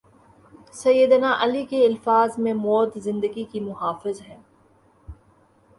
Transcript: سید نا علیؓ کے الفاظ میں موت زندگی کی محافظ ہے۔